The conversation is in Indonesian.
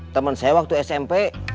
temen saya waktu smp